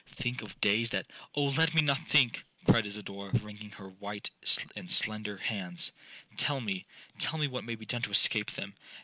Think of days that'—'Oh let me not think!' cried Isidora, wringing her white and slender hands; 'tell me—tell me what may be done to escape them!'